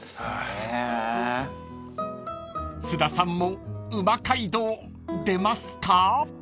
［津田さんも「うま街道」出ますか？］